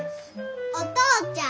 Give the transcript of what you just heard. お父ちゃん。